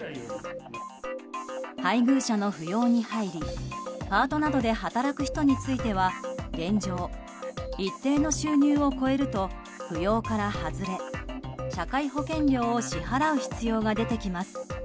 配偶者の扶養に入りパートなどで働く人については現状、一定の収入を超えると扶養から外れ、社会保険料を支払う必要が出てきます。